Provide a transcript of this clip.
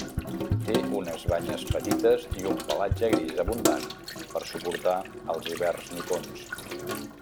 Té unes banyes petites i un pelatge gris abundant per suportar els hiverns nipons.